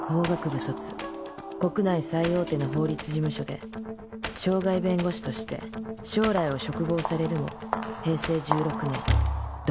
国内最大手の法律事務所で渉外弁護士として将来を嘱望されるも平成１６年独立。